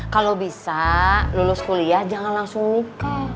kalau bisa lulus kuliah jangan langsung nikah